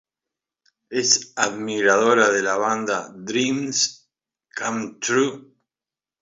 Es admiradora de la banda Dreams Come True.